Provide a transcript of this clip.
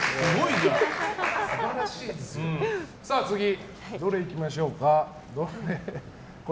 次、どれいきましょうか。